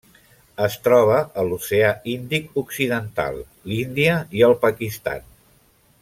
Es troba a l'Oceà Índic occidental: l'Índia i el Pakistan.